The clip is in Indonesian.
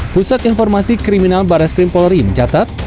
pusat informasi kriminal barat skrimpol rim catat